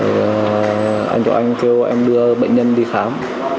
rồi anh tuấn anh kêu em đưa bệnh nhân đi khám